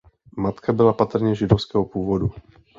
Matka byla patrně židovského původu.